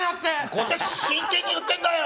こっちは真剣に言ってるんだよ！